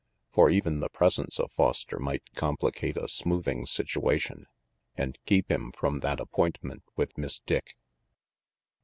For even the presence of Foster might complicate a smoothing situation and keep him from that appointment with Miss Dick.